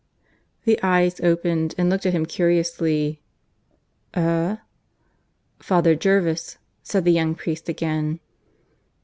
The eyes opened and looked at him curiously. "Eh?" "Father Jervis," said the young priest again.